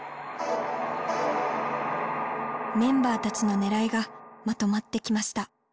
メンバーたちのねらいがまとまってきました。